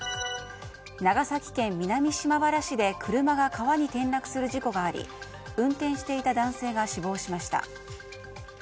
長崎県南島原市で車が川に転落する事故があり運転していた男性が死亡しました。